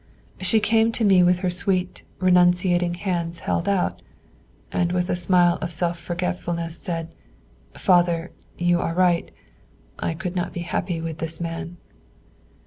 She came to me with her sweet, renunciating hands held out, and with a smile of self forgetfulness, said, 'Father, you are right; I could not be happy with this man.